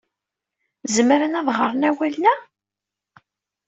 Zemren ad ɣren awalen-a?